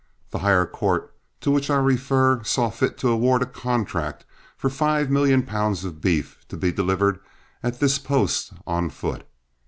This higher court to which I refer saw fit to award a contract for five million pounds of beef to be delivered at this post on foot.